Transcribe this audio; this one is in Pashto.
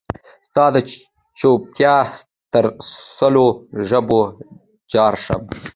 ستا دچوپتیا تر سلو ژبو جارشم